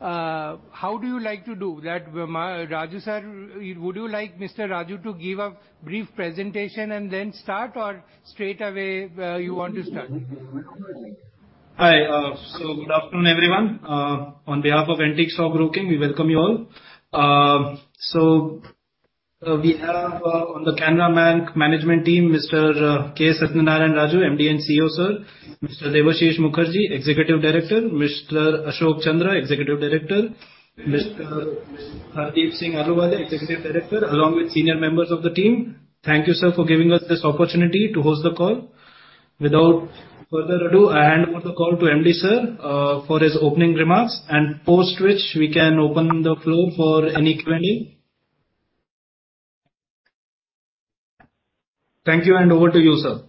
Hi, good afternoon, everyone. On behalf of Antique Stock Broking, we welcome you all. We have on the Canara Bank management team, Mr. K. Satyanarayana Raju, MD and CEO, sir, Mr. Debashish Mukherjee, Executive Director, Mr. Ashok Chandra, Executive Director, Mr. Hardeep Singh Ahluwalia, Executive Director, along with senior members of the team. Thank you, sir, for giving us this opportunity to host the call. Without further ado, I hand over the call to MD, sir, for his opening remarks, post which we can open the floor for any Q&A. Thank you, over to you, sir.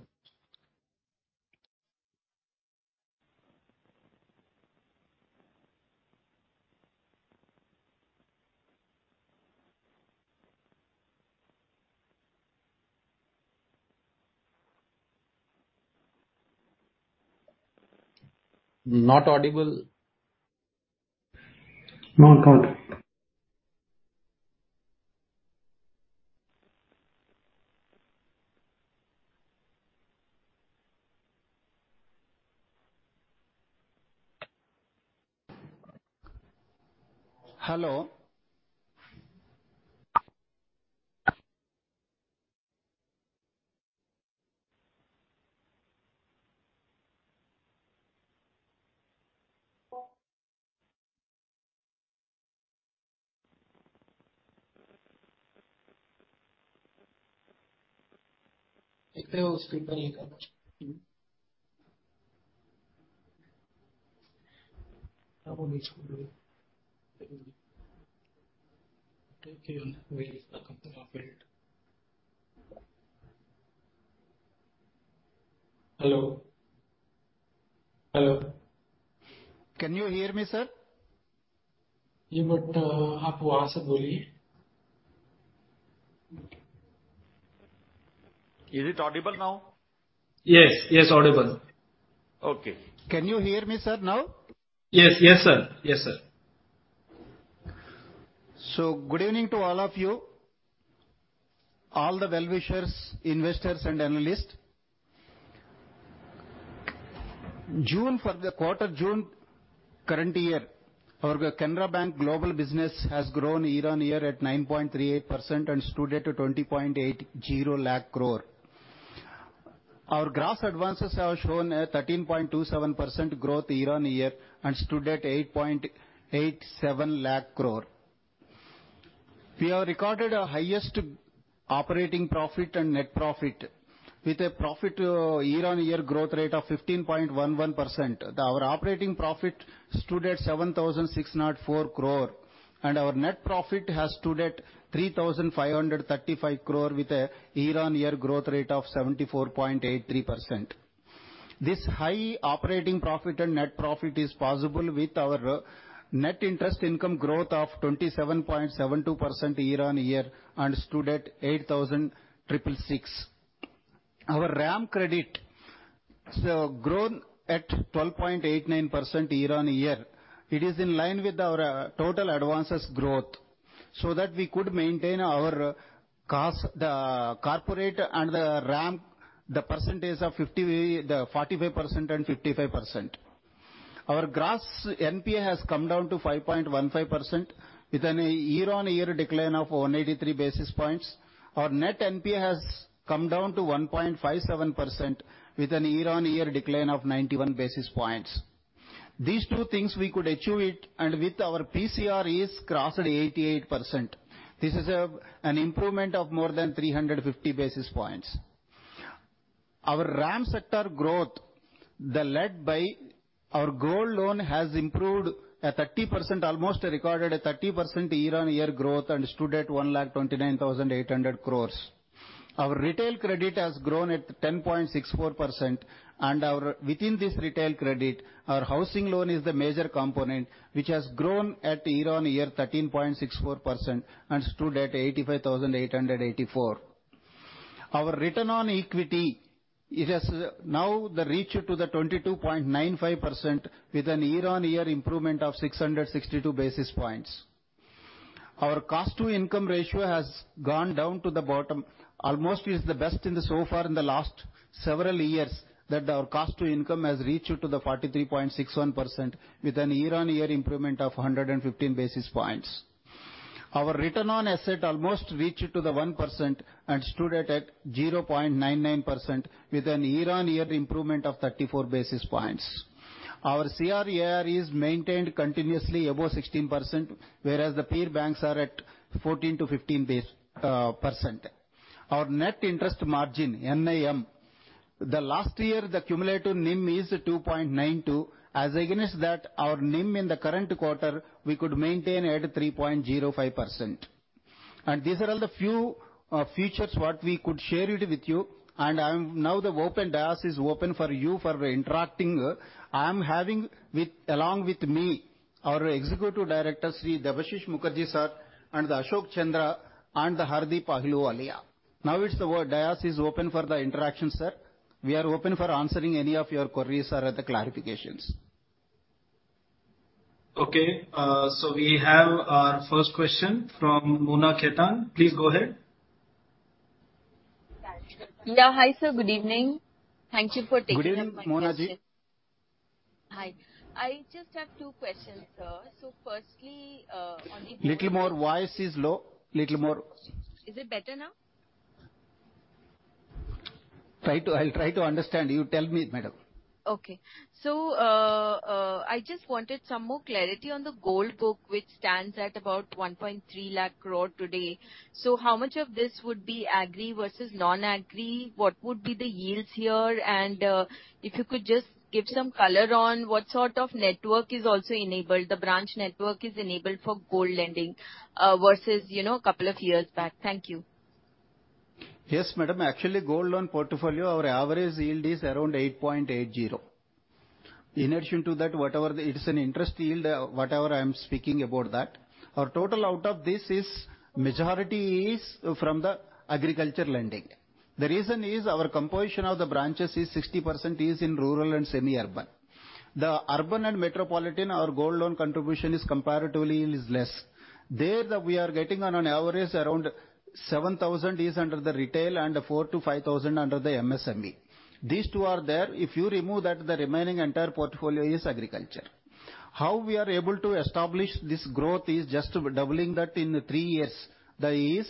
Not audible. Not audible. Hello? Hello. Can you hear me, sir? You might. Is it audible now? Yes. Yes, audible. Can you hear me, sir, now? Yes. Yes, sir. Yes, sir. Good evening to all of you, all the well-wishers, investors, and analysts. June, for the quarter June current year, our Canara Bank global business has grown year-on-year at 9.38% and stood at 20.80 lakh crore. Our gross advances have shown a 13.27% growth year-on-year and stood at 8.87 lakh crore. We have recorded our highest operating profit and net profit, with a profit, year-on-year growth rate of 15.11%. Our operating profit stood at 7,604 crore, and our net profit has stood at 3,535 crore with a year-on-year growth rate of 74.83%. This high operating profit and net profit is possible with our net interest income growth of 27.72% year-on-year and stood at 8,666. Our RAM credit has grown at 12.89% year-on-year. It is in line with our total advances growth, so that we could maintain our cost, the corporate and the RAM, the percentage of 45% and 55%. Our gross NPA has come down to 5.15%, with an year-on-year decline of 183 basis points. Our net NPA has come down to 1.57%, with an year-on-year decline of 91 basis points. These two things we could achieve it, with our PCR is crossed 88%. This is an improvement of more than 350 basis points. Our RAM sector growth, led by our gold loan, has improved, at 30%, almost recorded a 30% year-on-year growth and stood at 1,29,800 crores. Our retail credit has grown at 10.64%. Within this retail credit, our housing loan is the major component, which has grown at year-on-year, 13.64% and stood at 85,884 crores. Our return on equity, it has now the reach to the 22.95%, with an year-on-year improvement of 662 basis points. Our cost to income ratio has gone down to the bottom, almost is the best so far in the last several years, that our cost to income has reached to the 43.61%, with an year-on-year improvement of 115 basis points. Our return on asset almost reached to the 1% and stood at 0.99%, with an year-on-year improvement of 34 basis points. Our CRAR is maintained continuously above 16%, whereas the peer banks are at 14% to 15% base percent. Our net interest margin. The last year, the cumulative NIM is 2.92%. As against that, our NIM in the current quarter, we could maintain at 3.05%. These are all the few features, what we could share it with you, now, the open dais is open for you for interacting. I am having with, along with me, our Executive Director, Shri Debashish Mukherjee, sir, and Ashok Chandra, and Hardeep Singh Ahluwalia. It's the dais is open for the interaction, sir. We are open for answering any of your queries or the clarifications. Okay, we have our first question from Mona Khetan. Please go ahead. Yeah. Hi, sir. Good evening. Thank you for taking my question. Good evening, Mona ji. Hi. I just have two questions, sir. Firstly. Little more, voice is low. Little more. Is it better now? I'll try to understand. You tell me, madam. Okay. I just wanted some more clarity on the gold book, which stands at about 1.3 lakh crore today. How much of this would be agri versus non-agri? What would be the yields here? If you could just give some color on what sort of network is also enabled, the branch network is enabled for gold lending versus, you know, a couple of years back. Thank you. Yes, madam. Actually, gold loan portfolio, our average yield is around 8.80%. In addition to that, whatever the, it is an interest yield, whatever I am speaking about that, our total out of this is, majority is from the agriculture lending. The reason is our composition of the branches is 60% is in rural and semi-urban. The urban and metropolitan, our gold loan contribution is comparatively is less. There, we are getting on an average, around 7,000 is under the retail and 4,000-5,000 under the MSME. These two are there. If you remove that, the remaining entire portfolio is agriculture. How we are able to establish this growth is just doubling that in 3 years.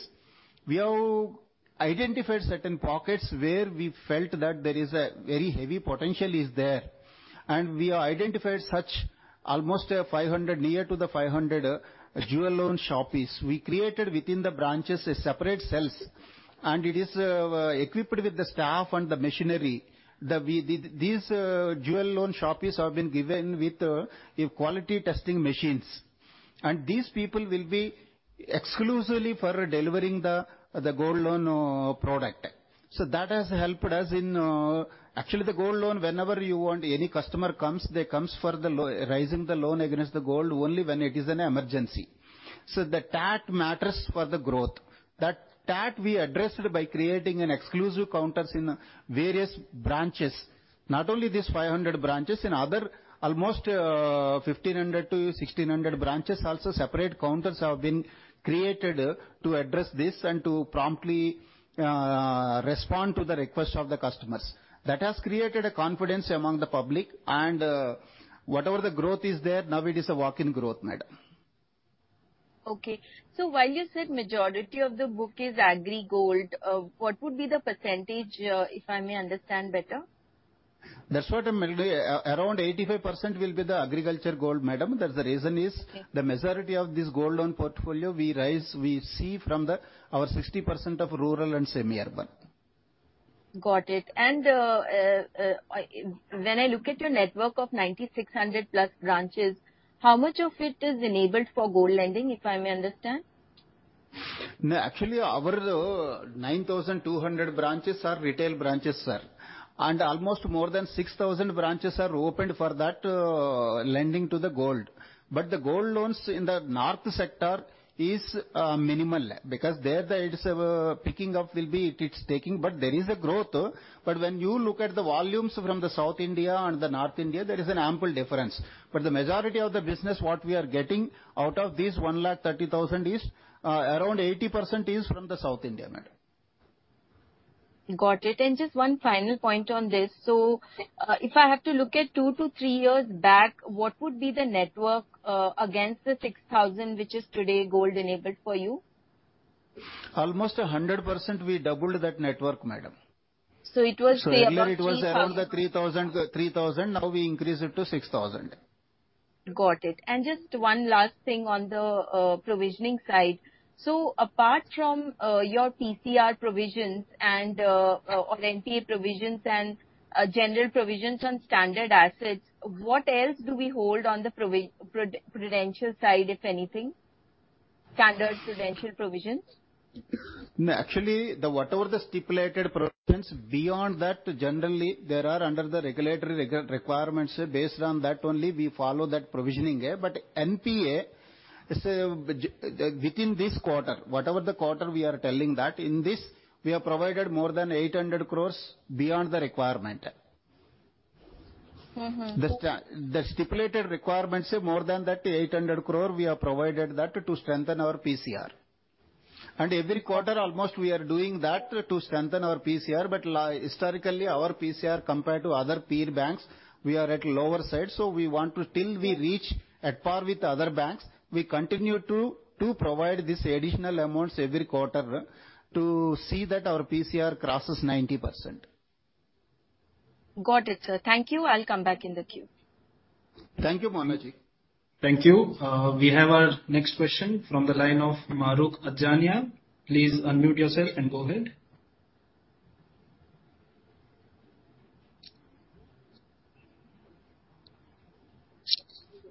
We have identified certain pockets where we felt that there is a very heavy potential is there. We have identified such almost 500, near to the 500 jewel loan shops. We created within the branches separate cells. It is equipped with the staff and the machinery. These jewel loan shops have been given with a quality testing machines. These people will be exclusively for delivering the gold loan product. That has helped us in. Actually, the gold loan, whenever you want, any customer comes, they comes for raising the loan against the gold only when it is an emergency. The TAT matters for the growth. That TAT we addressed by creating an exclusive counters in various branches. Not only these 500 branches, in other, almost, 1,500 to 1,600 branches, also separate counters have been created to address this and to promptly, respond to the request of the customers. That has created a confidence among the public, and, whatever the growth is there, now it is a walk-in growth, madam. Okay. While you said majority of the book is agri gold, what would be the percentage, if I may understand better? That's what, madam, around 85% will be the agriculture gold, madam. That's the reason. Okay. The majority of this gold loan portfolio we raise, we see from the, our 60% of rural and semi-urban. Got it. When I look at your network of 9,600 plus branches, how much of it is enabled for gold lending, if I may understand? Actually, our 9,200 branches are retail branches, sir, almost more than 6,000 branches are opened for that, lending to the gold. The gold loans in the North sector is minimal, because there, the, it's picking up will be, it's taking, but there is a growth. When you look at the volumes from the South India and the North India, there is an ample difference. The majority of the business, what we are getting out of these 130,000 is around 80% is from the South India, madam. Got it. Just one final point on this: if I have to look at 2 to 3 years back, what would be the network, against the 6,000, which is today gold-enabled for you? Almost 100%, we doubled that network, madam. It was say about INR 3,000? Earlier it was around the 3 thousand, now we increased it to 6 thousand. Got it. Just one last thing on the provisioning side. Apart from your PCR provisions and or NPA provisions and general provisions on standard assets, what else do we hold on the prudential side, if anything? Standard Prudential Provisions. Actually, whatever the stipulated provisions, beyond that, generally, they are under the regulatory requirements. Based on that only we follow that provisioning. NPA, within this quarter, whatever the quarter we are telling that, in this, we have provided more than 800 crore beyond the requirement. Mm-hmm. The stipulated requirements, more than that 800 crore, we have provided that to strengthen our PCR. Every quarter, almost, we are doing that to strengthen our PCR, historically, our PCR compared to other peer banks, we are at lower side, so we want to, till we reach at par with other banks, we continue to provide these additional amounts every quarter, to see that our PCR crosses 90%. Got it, sir. Thank you. I'll come back in the queue. Thank you, Mona ji. Thank you. We have our next question from the line of Mahrukh Adajania. Please unmute yourself and go ahead.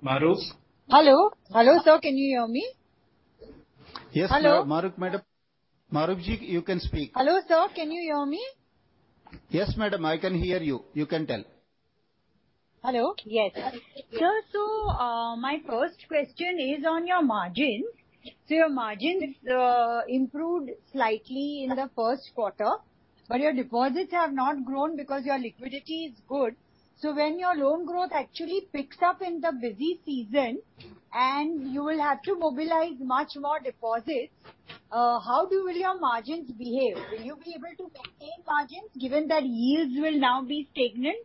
Mahrukh? Hello. Hello, sir, can you hear me? Yes- Hello. Mahrukh, Madam. Mahrukh ji, you can speak. Hello, sir, can you hear me? Yes, madam, I can hear you. You can tell. Hello. Yes. Sir, my first question is on your margin. Your margin is improved slightly in the Q1, but your deposits have not grown because your liquidity is good. When your loan growth actually picks up in the busy season, and you will have to mobilize much more deposits, how do will your margins behave? Will you be able to maintain margins given that yields will now be stagnant,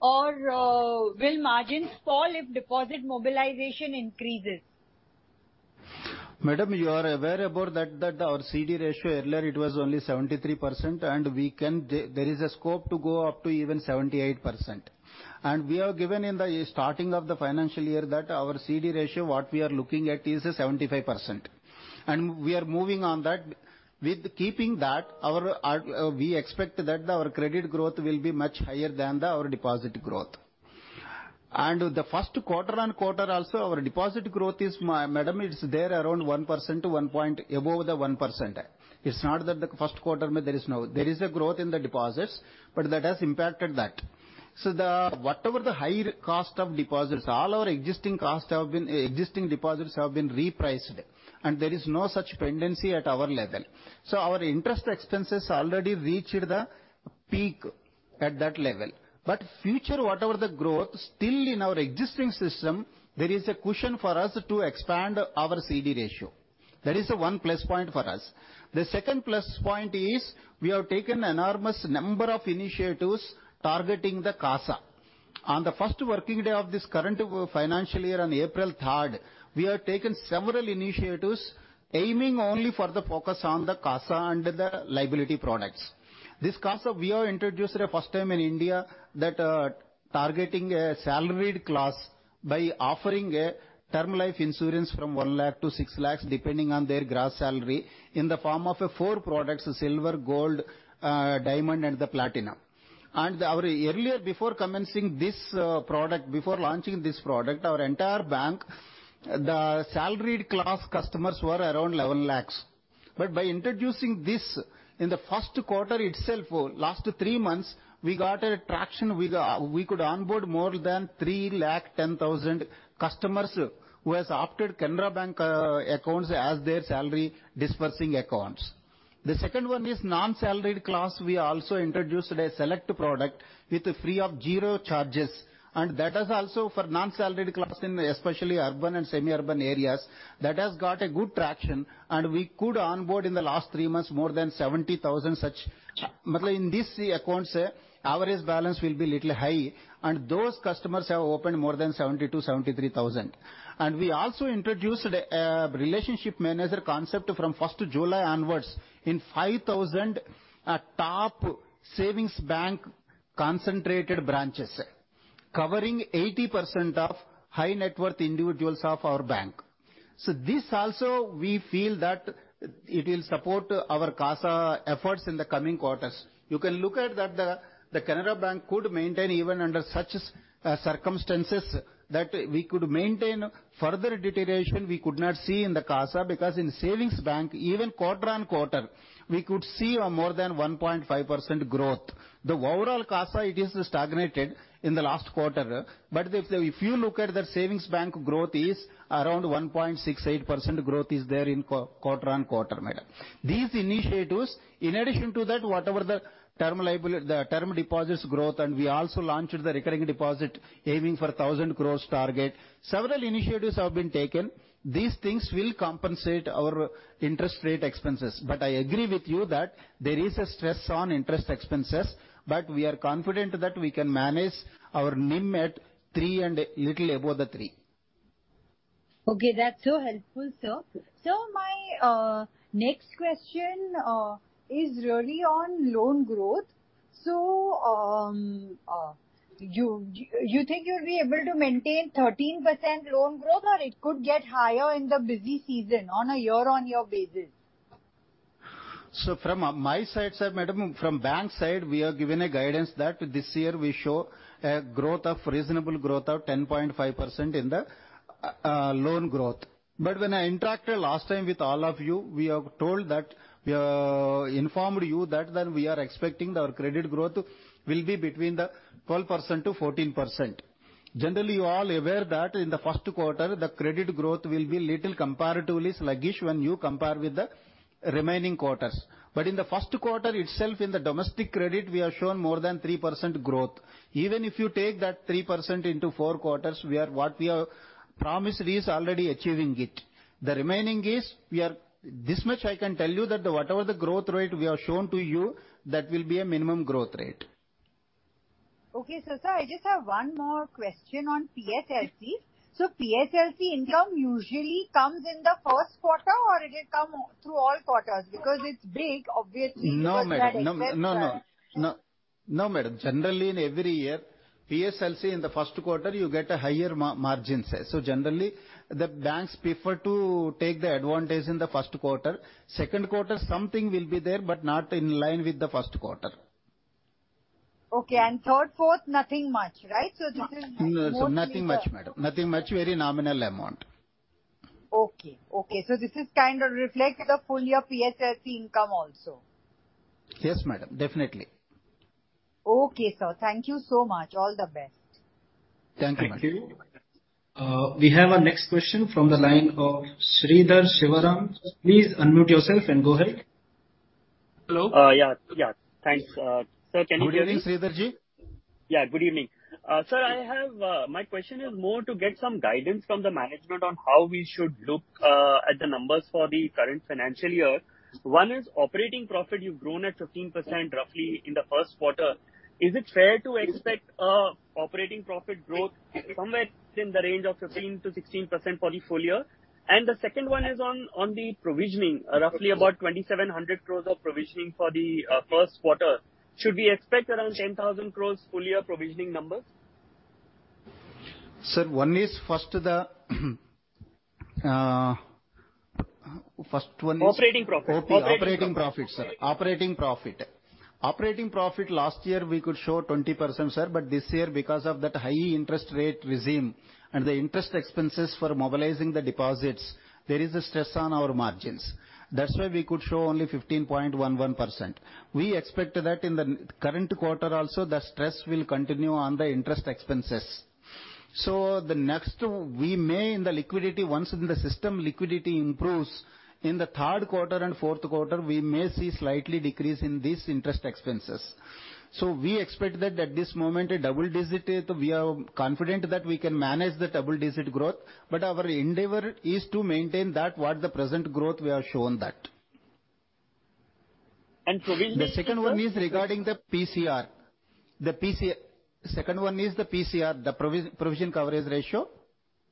or will margins fall if deposit mobilization increases? Madam, you are aware about that our CD ratio, earlier, it was only 73%, and there is a scope to go up to even 78%. We have given in the starting of the financial year that our CD ratio, what we are looking at, is 75%, and we are moving on that. With keeping that, we expect that our credit growth will be much higher than our deposit growth. The first quarter-on-quarter also, our deposit growth is, madam, it's there around 1% to one point above the 1%. It's not that the Q1. There is a growth in the deposits, but that has impacted that. The, whatever the higher cost of deposits, all our existing deposits have been repriced, and there is no such pendency at our level. Future, whatever the growth, still in our existing system, there is a cushion for us to expand our CD ratio. That is a one plus point for us. The second plus point is, we have taken enormous number of initiatives targeting the CASA. On the first working day of this current financial year, on April third, we have taken several initiatives aiming only for the focus on the CASA and the liability products. This CASA, we have introduced the first time in India that, targeting a salaried class by offering a term life insurance from 1 lakh to 6 lakh, depending on their gross salary, in the form of 4 products: silver, gold, diamond, and the platinum. Our earlier, before commencing this product, before launching this product, our entire bank, the salaried class customers were around 11 lakh. By introducing this in the Q1 itself, last three months, we got a traction. We could onboard more than 310,000 customers who has opted Canara Bank accounts as their salary dispersing accounts. The second one is non-salaried class. We also introduced a select product with free of 0 charges, and that is also for non-salaried class in especially urban and semi-urban areas. That has got a good traction, and we could onboard in the last 3 months, more than 70,000 such. In these accounts, average balance will be little high, and those customers have opened more than 72,000-73,000. We also introduced a relationship manager concept from 1st July onwards in 5,000 top savings bank concentrated branches, covering 80% of high net worth individuals of our bank. This also, we feel that it will support our CASA efforts in the coming quarters. You can look at that the Canara Bank could maintain even under such circumstances, that we could maintain further deterioration we could not see in the CASA, because in savings bank, even quarter-on-quarter, we could see a more than 1.5% growth. The overall CASA, it is stagnated in the last quarter, but if you look at the savings bank growth is around 1.68% growth is there in quarter-on-quarter, Madam. These initiatives, in addition to that, whatever the term liability, the term deposits growth, and we also launched the recurring deposit, aiming for a 1,000 crore target. Several initiatives have been taken. These things will compensate our interest rate expenses. I agree with you that there is a stress on interest expenses, but we are confident that we can manage our NIM at 3% and little above the 3%. Okay, that's so helpful, sir. My next question is really on loan growth. You think you'll be able to maintain 13% loan growth, or it could get higher in the busy season on a year-over-year basis? From my side, sir, Madam, from bank side, we have given a guidance that this year we show a growth of reasonable growth of 10.5% in the loan growth. When I interacted last time with all of you, we have told that, informed you that we are expecting our credit growth will be between the 12%-14%. Generally, you are all aware that in the Q1, the credit growth will be little comparatively sluggish when you compare with the remaining quarters. In the Q1 itself, in the domestic credit, we have shown more than 3% growth. Even if you take that 3% into four quarters, what we have promised is already achieving it. The remaining is, we are... This much I can tell you, that whatever the growth rate we have shown to you, that will be a minimum growth rate. Okay. Sir, I just have one more question on PSLC. PSLC income usually comes in the first quarter, or it will come through all quarters? Because it's big, obviously. No, madam. No. No, madam. Generally, in every year, PSLC, in the first quarter, you get a higher margins. Generally, the banks prefer to take the advantage in the first quarter. Second quarter, something will be there, but not in line with the first quarter. Okay, third, fourth, nothing much, right? No, nothing much, madam. Nothing much, very nominal amount. Okay. Okay. This is kind of reflect the full year PSLC income also. Yes, madam, definitely. Okay, sir. Thank you so much. All the best. Thank you, madam. Thank you. We have our next question from the line of Sridhar Sivaram. Please unmute yourself and go ahead. Hello? Yeah. Thanks. Sir, can you hear me? Good evening, Sridhar Ji. Good evening. Sir, my question is more to get some guidance from the management on how we should look at the numbers for the current financial year. One is operating profit, you've grown at 15% roughly in the Q1. Is it fair to expect operating profit growth somewhere in the range of 15%-16% for the full year? The second one is on the provisioning, roughly about 2,700 crore of provisioning for the first quarter. Should we expect around 10,000 crore full year provisioning numbers? Sir, one is first one is. Operating profit. Operating profit, sir. Operating profit. Operating profit, last year, we could show 20%, sir, but this year, because of that high interest rate regime and the interest expenses for mobilizing the deposits, there is a stress on our margins. That's why we could show only 15.11%. We expect that in the current quarter also, the stress will continue on the interest expenses. The next, we may, in the liquidity, once in the system, liquidity improves, in the Q3 and Q4, we may see slightly decrease in these interest expenses. We expect that at this moment, a double-digit, we are confident that we can manage the double-digit growth, but our endeavor is to maintain that what the present growth we have shown that. And provisioning- The second one is regarding the PCR. Second one is the PCR, the provision coverage ratio,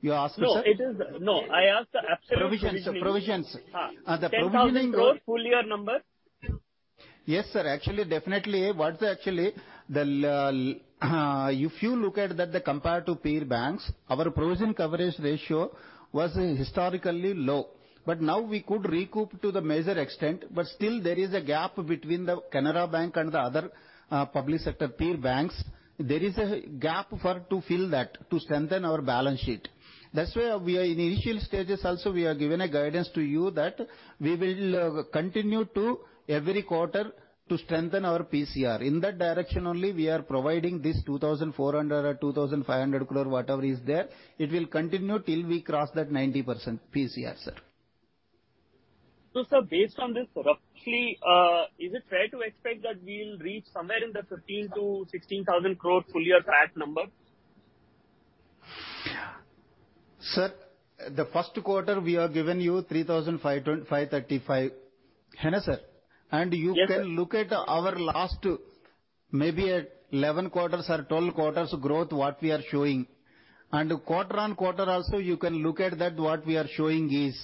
you ask, sir? No, it is, no, I asked the absolute- Provision, so provisions. Uh. The provisioning- INR 10,000 crore, full year number? Yes, sir. Actually, definitely, what's actually, if you look at that, the compared to peer banks, our provision coverage ratio was historically low. Now we could recoup to the major extent, but still there is a gap between the Canara Bank and the other public sector peer banks. There is a gap for to fill that, to strengthen our balance sheet. That's why we are in initial stages also, we have given a guidance to you that we will continue to every quarter to strengthen our PCR. In that direction only, we are providing this 2,400 crore or 2,500 crore, whatever is there. It will continue till we cross that 90% PCR, sir. sir, based on this, roughly, is it fair to expect that we'll reach somewhere in the 15,000-16,000 crore full year CAD number? Sir, the Q1, we have given you 3,525-3,535. Isn't it, sir? Yes. You can look at our last, maybe, 11 quarters or 12 quarters growth, what we are showing. Quarter on quarter also, you can look at that, what we are showing is.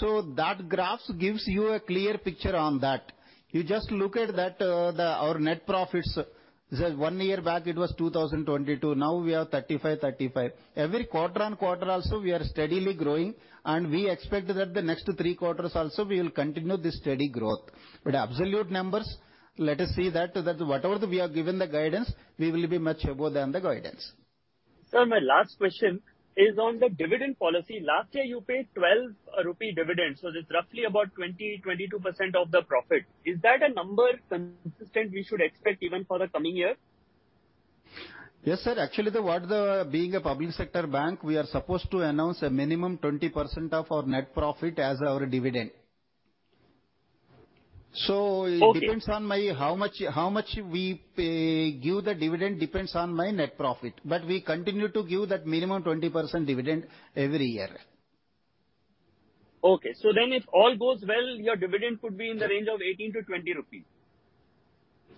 That graphs gives you a clear picture on that. You just look at that, our net profits. Just 1 year back, it was 2,022, now we are 35. Every quarter on quarter also, we are steadily growing, and we expect that the next 3 quarters also, we will continue this steady growth. Absolute numbers, let us see that, whatever we have given the guidance, we will be much above than the guidance. Sir, my last question is on the dividend policy. Last year, you paid 12 rupee dividend. That's roughly about 20%-22% of the profit. Is that a number consistent we should expect even for the coming year? Yes, sir. Actually, being a public sector bank, we are supposed to announce a minimum 20% of our net profit as our dividend. Okay. It depends on how much we pay, give the dividend, depends on my net profit, but we continue to give that minimum 20% dividend every year. Okay. If all goes well, your dividend could be in the range of 18-20 rupees.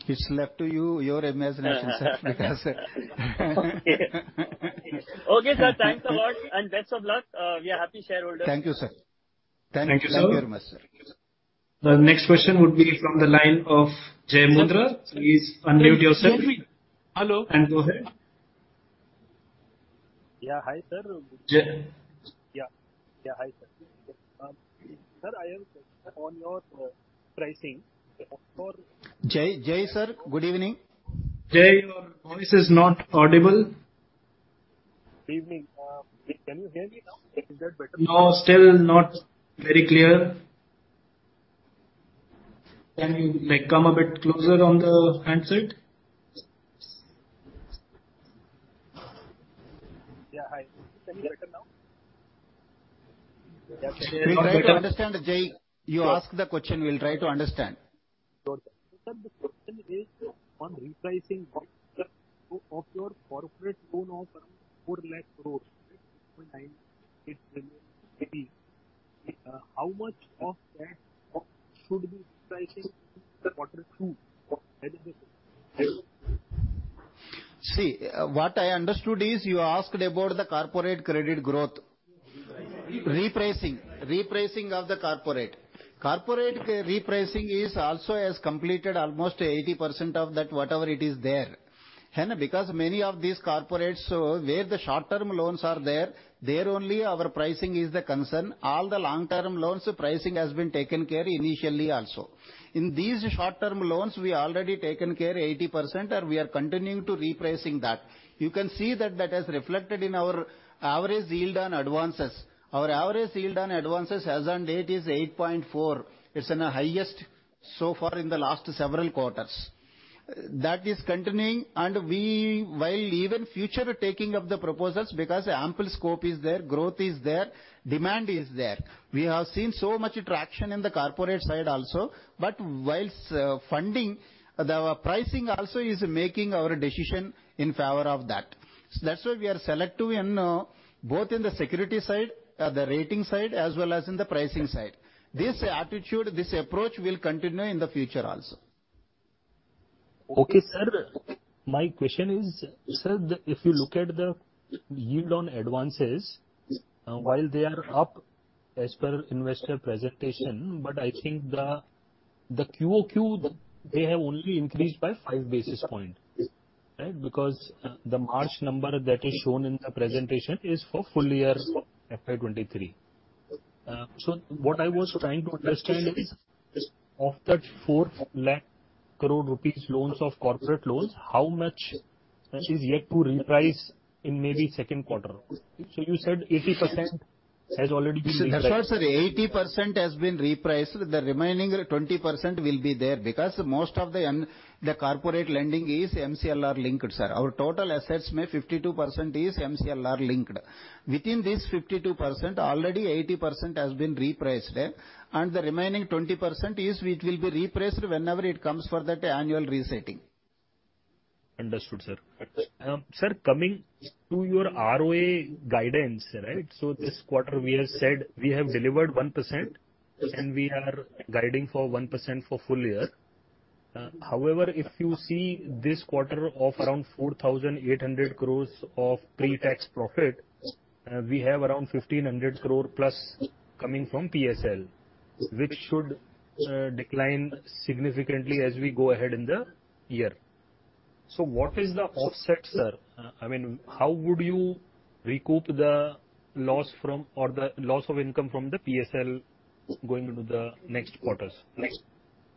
It's left to you, your imagination, sir. Okay. Okay, sir, thanks a lot, and best of luck. We are happy shareholders. Thank you, sir. Thank you, sir. Thank you very much, sir. The next question would be from the line of Jai Mundra. Please unmute yourself. Hello. Go ahead. Yeah. Hi, sir. Jai- Yeah. Yeah, hi, sir. Sir, I have on your pricing. Jai, sir, good evening. Jai, your voice is not audible. Evening. Can you hear me now? Is that better? No, still not very clear. Can you, like, come a bit closer on the handset? Yeah, hi. Can you hear me now? We try to understand, Jai. You ask the question, we'll try to understand. Sure. Sir, the question is on repricing of your corporate loan of around 400,000 crore.... how much of that should be pricing the quarter two? See, what I understood is you asked about the corporate credit growth. Repricing of the corporate. Corporate repricing is also has completed almost 80% of that, whatever it is there. Because many of these corporates, so where the short-term loans are there only our pricing is the concern. All the long-term loans, the pricing has been taken care initially also. In these short-term loans, we already taken care 80%, and we are continuing to repricing that. You can see that that has reflected in our average yield on advances. Our average yield on advances as on date is 8.4. It's in the highest so far in the last several quarters. That is continuing, and we while even future taking of the proposals, because ample scope is there, growth is there, demand is there. We have seen so much traction in the corporate side also, but whilst funding, the pricing also is making our decision in favor of that. That's why we are selective in both in the security side, the rating side, as well as in the pricing side. This attitude, this approach, will continue in the future also. Okay, sir. My question is, sir, if you look at the yield on advances, while they are up as per investor presentation, but I think the QOQ, they have only increased by 5 basis points, right? The March number that is shown in the presentation is for full year FY23. What I was trying to understand is, of that 4 lakh crore rupees loans of corporate loans, how much is yet to reprice in maybe second quarter? You said 80% has already been repriced. That's why, sir, 80% has been repriced. The remaining 20% will be there, because most of the corporate lending is MCLR linked, sir. Our total assets, ma'am, 52% is MCLR linked. Within this 52%, already 80% has been repriced, and the remaining 20% is, which will be repriced whenever it comes for that annual resetting. Understood, sir. sir, coming to your ROA guidance, right? This quarter, we have said we have delivered 1%, and we are guiding for 1% for full year. However, if you see this quarter of around 4,800 crore of pre-tax profit, we have around 1,500 crore plus coming from PSL, which should decline significantly as we go ahead in the year. What is the offset, sir? I mean, how would you recoup the loss from or the loss of income from the PSL going into the next quarters?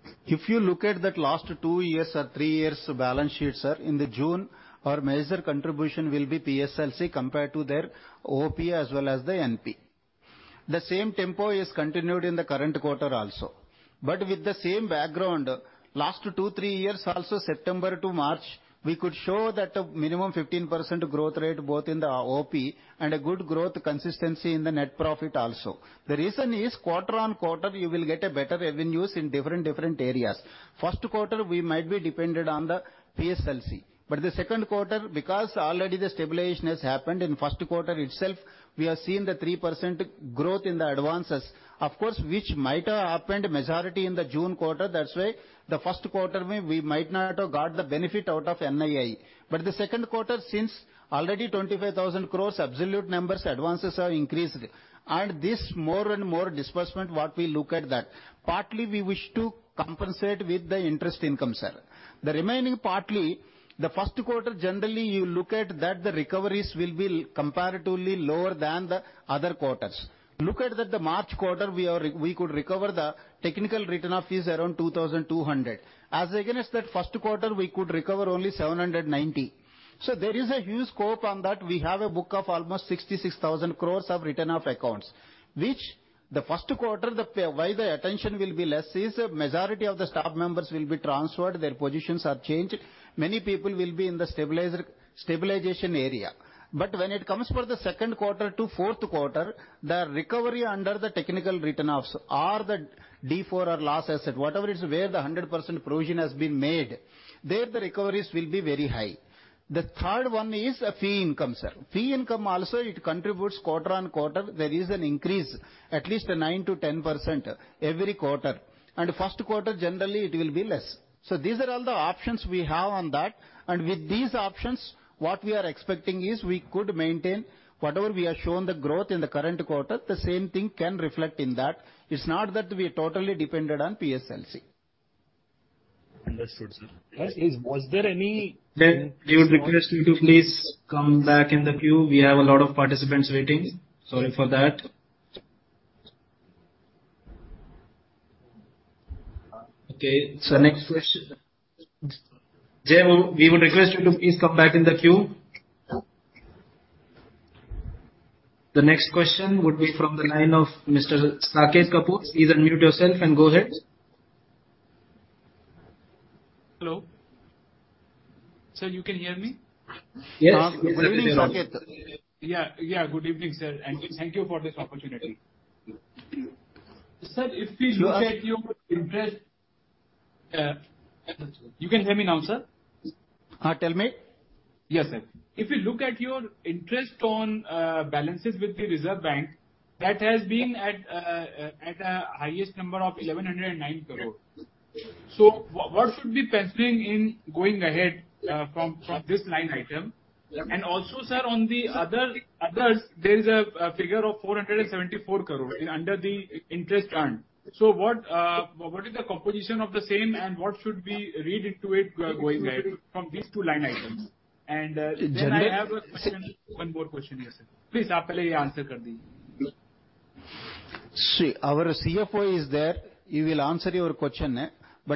Next. If you look at that last two years or three years balance sheet, sir, in the June, our major contribution will be PSLC compared to their OP as well as the NP. The same tempo is continued in the current quarter also. With the same background, last two, three years also, September to March, we could show that a minimum 15% growth rate, both in the OP and a good growth consistency in the net profit also. The reason is, quarter-on-quarter, you will get a better revenues in different areas. First quarter, we might be dependent on the PSLC. The second quarter, because already the stabilization has happened in first quarter itself, we have seen the 3% growth in the advances. Of course, which might have happened majority in the June quarter, that's why the first quarter, we might not have got the benefit out of NII. The Q2, since already 25,000 crore, absolute numbers, advances have increased. This more and more disbursement, what we look at that, partly we wish to compensate with the interest income, sir. The remaining partly, the first quarter, generally, you look at that, the recoveries will be comparatively lower than the other quarters. Look at that, the March quarter, we could recover the technical written off is around 2,200 crore. As against that first quarter, we could recover only 790 crore. There is a huge scope on that. We have a book of almost 66,000 crore of written-off accounts, which the Q1, why the attention will be less, is a majority of the staff members will be transferred, their positions are changed. Many people will be in the stabilization area. When it comes for the second quarter to fourth quarter, the recovery under the technical written-offs or the D4 or loss asset, whatever it is, where the 100% provision has been made, there, the recoveries will be very high. The third one is a fee income, sir. Fee income also, it contributes quarter-on-quarter. There is an increase, at least a 9%-10% every quarter, First quarter, generally, it will be less. These are all the options we have on that. With these options, what we are expecting is we could maintain whatever we have shown the growth in the current quarter, the same thing can reflect in that. It's not that we are totally dependent on PSLC. Understood, sir. Was there any-? We would request you to please come back in the queue. We have a lot of participants waiting. Sorry for that. Okay. Next question. Jay, we would request you to please come back in the queue. The next question would be from the line of Mr. Saket Kapoor. Please unmute yourself and go ahead. Hello. Sir, you can hear me? Yes. Good evening, Saket. Yeah, good evening, sir, and thank you for this opportunity. Sir, if we look at your interest... you can hear me now, sir? tell me. Yes, sir. If you look at your interest on balances with the Reserve Bank, that has been at a highest number of 1,109 crore. What should be penciling in going ahead from this line item? Yeah. Also, sir, on the others, there is a figure of 474 crore in under the interest earned. What is the composition of the same, and what should we read into it going ahead from these two line items? Generally- I have a question, one more question, yes. Please, answer this. Our CFO is there, he will answer your question, eh?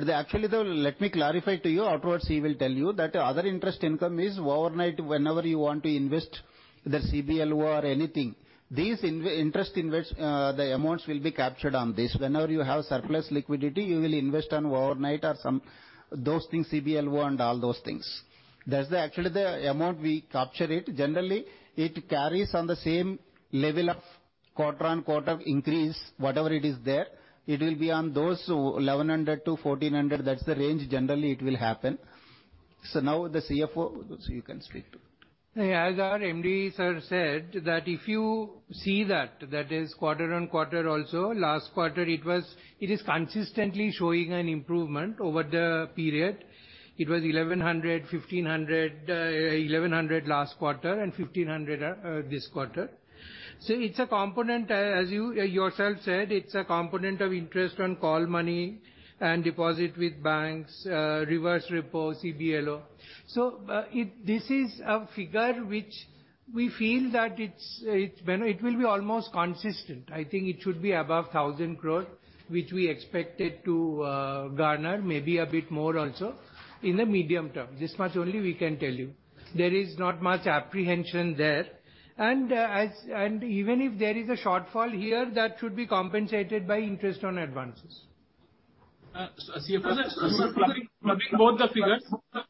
Actually, though, let me clarify to you, afterwards, he will tell you that other interest income is overnight. Whenever you want to invest, the CBLO or anything, these interest invest, the amounts will be captured on this. Whenever you have surplus liquidity, you will invest on overnight or some, those things, CBLO and all those things. That's actually the amount we capture it. Generally, it carries on the same level of quarter-on-quarter increase. Whatever it is there, it will be on those 1,100-1,400. That's the range. Generally, it will happen. Now the CFO, so you can speak to. As our MD sir said, that if you see that is quarter-on-quarter also, last quarter, it is consistently showing an improvement over the period. It was 1,100, 1,500, 1,100 last quarter and 1,500 this quarter. It's a component, as you, yourself said, it's a component of interest on call money and deposit with banks, reverse repo, CBLO. This is a figure which we feel that it's almost consistent. I think it should be above 1,000 crores, which we expected to garner, maybe a bit more also, in the medium term. This much only we can tell you. There is not much apprehension there. Even if there is a shortfall here, that should be compensated by interest on advances. CFO, sir, clubbing both the figures,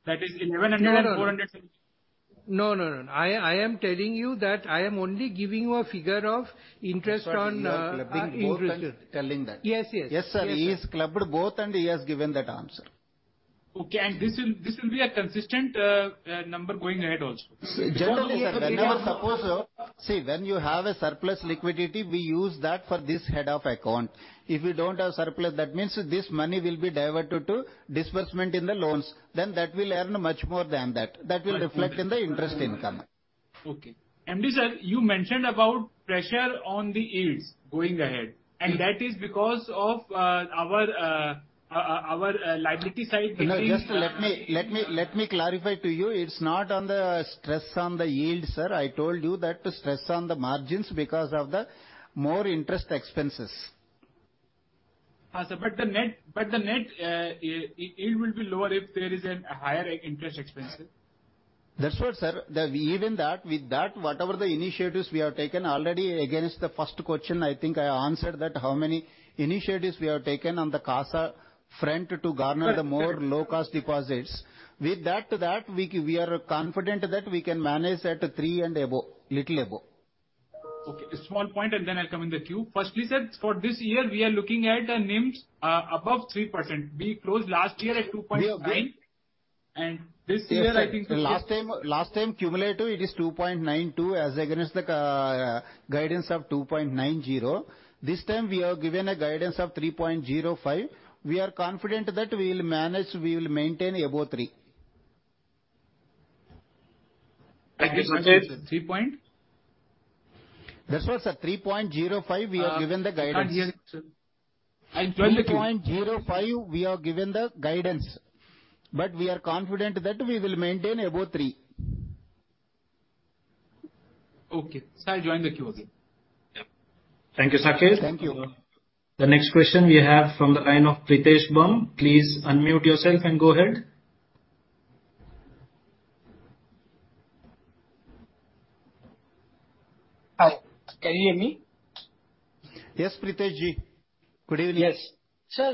that is INR 1,100 and INR 470? No, no. I am telling you that I am only giving you a figure of interest on... Clubbing, both telling that. Yes, yes. Yes, sir, he's clubbed both, and he has given that answer. Okay, this will be a consistent number going ahead also? Generally, whenever, suppose, see, when you have a surplus liquidity, we use that for this head of account. If you don't have surplus, that means this money will be diverted to disbursement in the loans, then that will earn much more than that. That will reflect in the interest income. Okay. MD, sir, you mentioned about pressure on the yields going ahead, that is because of our liability side. Just let me clarify to you. It's not on the stress on the yield, sir. I told you that stress on the margins because of the more interest expenses. Sir, the net yield will be lower if there is a higher interest expense. That's what, sir. Even that, with that, whatever the initiatives we have taken already against the first question, I think I answered that, how many initiatives we have taken on the CASA front to garner the more low-cost deposits. With that, we are confident that we can manage at 3 and above, little above. Okay, a small point, and then I'll come in the queue. Firstly, sir, for this year, we are looking at the NIMS above 3%. We closed last year at 2.9%. We are- This year. Last time, cumulative, it is 2.92, as against the guidance of 2.90. This time, we have given a guidance of 3.05. We are confident that we will manage, we will maintain above 3. Thank you, Saket. Three point? That's what, sir, 3.05%, we have given the guidance. I'm not hearing, sir. I'm joined the queue. 3.05%, we have given the guidance, but we are confident that we will maintain above 3%. Okay. Sir, I join the queue again. Yep. Thank you, Saket. Thank you. The next question we have from the line of Pritesh Bumb. Please unmute yourself and go ahead. Hi, can you hear me? Yes, Pritesh Ji. Good evening. Yes. Sir,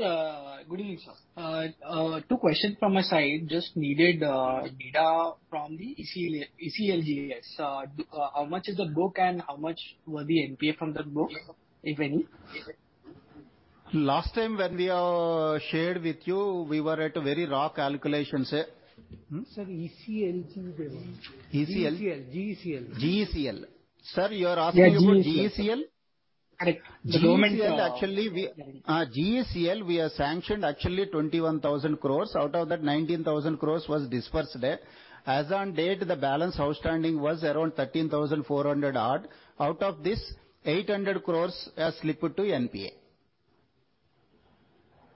good evening, sir. 2 questions from my side. Just needed data from the ECL, yes. How much is the book and how much were the NPA from that book, if any? Last time, when we shared with you, we were at a very raw calculations, sir. Sir, ECL... ECL. GECL. GECL. Sir, you are asking about GECL? Correct. GECL, we have sanctioned actually 21,000 crore. Out of that, 19,000 crore was disbursed. As on date, the balance outstanding was around 13,400 odd. Out of this, 800 crore has slipped to NPA.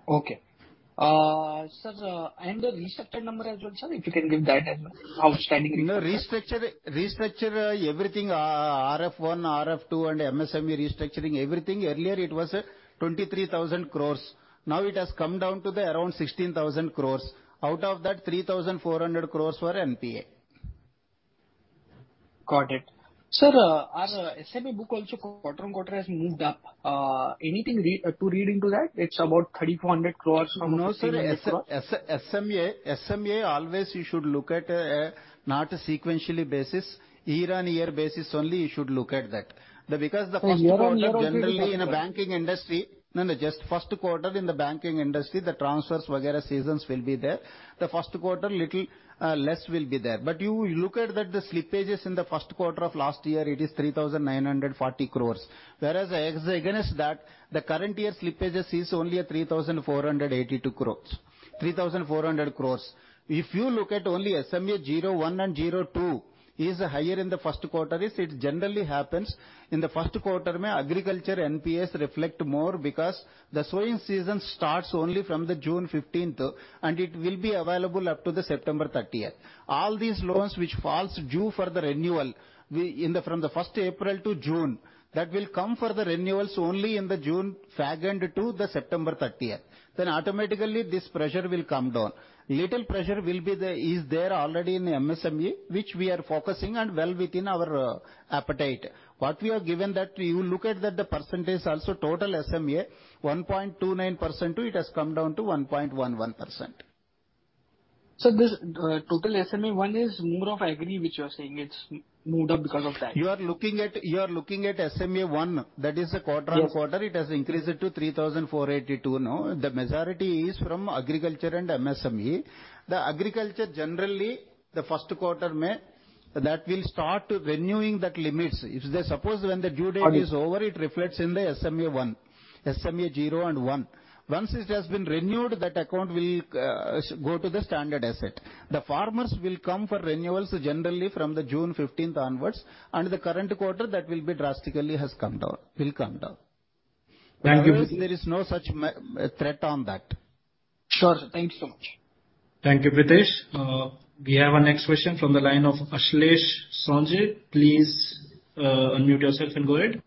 Okay. sir, the restructured number as well, sir, if you can give that as outstanding. Restructure, everything, RF 1.0, RF 2.0, and MSME restructuring, everything. Earlier, it was 23,000 crores. Now it has come down to the around 16,000 crores. Out of that, 3,400 crores were NPA. Got it. Sir, our SMA book also quarter-on-quarter has moved up. Anything to read into that? It's about 3,400 crore from- No, sir. SMA always you should look at, not a sequentially basis, year-on-year basis only you should look at that. Because the first quarter- No, year-on-year. Generally in a banking industry, just first quarter in the banking industry, the transfers, etc., seasons will be there. The first quarter, little less will be there. You look at that, the slippages in the first quarter of last year, it is 3,940 crore. Whereas, as against that, the current year slippages is only 3,482 crore, 3,400 crore. You look at only SMA 01 and 02 is higher in the first quarter, is it generally happens. In the first quarter, may agriculture NPAs reflect more because the sowing season starts only from the June 15th, and it will be available up to the September 30th. All these loans which falls due for the renewal, we, in the, from the 1st April to June, that will come for the renewals only in the June 2nd to the September 30th. Automatically, this pressure will come down. Little pressure will be there, is there already in MSME, which we are focusing on well within our appetite. What we have given that, you look at that, the percentage also, total SMA, 1.29%, it has come down to 1.11%. This, total SMA 1 is more of agri, which you are saying, it's moved up because of that. You are looking at SMA 1, that is a quarter-on-quarter. Yes. It has increased to 3,482 now. The majority is from agriculture and MSME. The agriculture, generally, the first quarter may, that will start renewing that limits. If they suppose when the due date is over, it reflects in the SMA one, SMA zero and one. Once it has been renewed, that account will go to the standard asset. The farmers will come for renewals, generally from the June fifteenth onwards, and the current quarter, will come down. Thank you. There is no such threat on that. Sure. Thank you so much. Thank you, Pritesh. We have our next question from the line of Ashlesh Sonjit. Please unmute yourself and go ahead.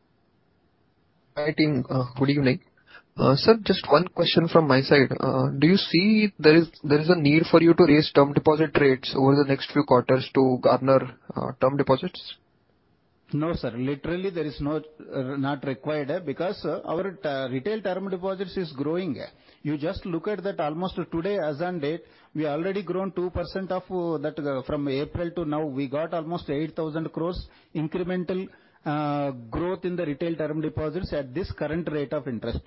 Hi, team. Good evening. Sir, just one question from my side. Do you see there is a need for you to raise term deposit rates over the next few quarters to garner term deposits? No, sir, literally, there is no, not required, because our retail term deposits is growing. You just look at that almost today, as on date, we already grown 2% of that from April to now, we got almost 8,000 crore incremental growth in the retail term deposits at this current rate of interest.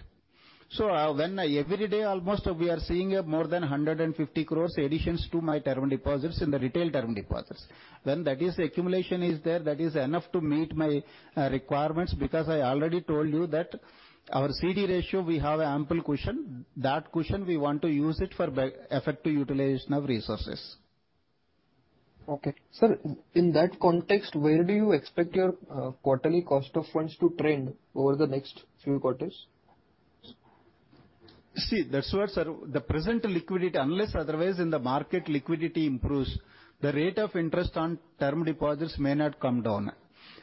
When every day, almost, we are seeing more than 150 crore additions to my term deposits in the retail term deposits. When that accumulation is there, that is enough to meet my requirements, because I already told you that our CD ratio, we have ample cushion. That cushion, we want to use it for effective utilization of resources. Okay. Sir, in that context, where do you expect your quarterly cost of funds to trend over the next few quarters? See, that's what, sir, the present liquidity, unless otherwise, in the market, liquidity improves, the rate of interest on term deposits may not come down.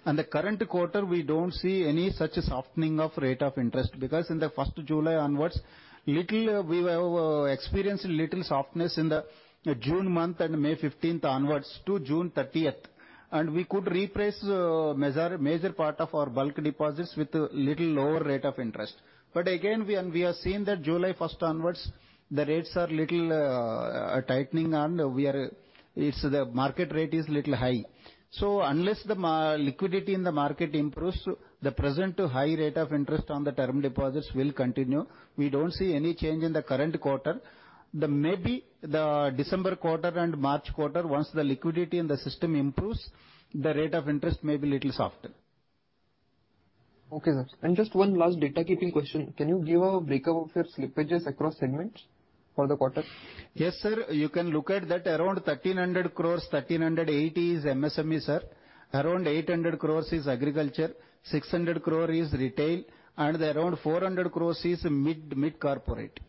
The current quarter, we don't see any such softening of rate of interest, because in the first July onwards, little, we have experienced little softness in the June month and May fifteenth onwards to June thirtieth, and we could reprice major part of our bulk deposits with a little lower rate of interest. Again, we, and we are seeing that July first onwards, the rates are little tightening, and we are It's the market rate is little high. Unless the liquidity in the market improves, the present high rate of interest on the term deposits will continue. We don't see any change in the current quarter. The maybe, the December quarter and March quarter, once the liquidity in the system improves, the rate of interest may be little softer. Okay, sir. Just one last data keeping question: Can you give a breakup of your slippages across segments for the quarter? Yes, sir. You can look at that, around 1,300 crores, 1,380 crores is MSME, sir. Around 800 crores is agriculture, 600 crore is retail, and around 400 crores is mid corporate.